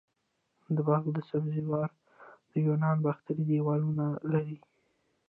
د بلخ د سبزې وار د یوناني باختر دیوالونه لري